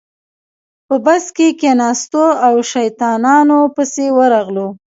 په بس کې کېناستو او شیطانانو پسې ورغلو.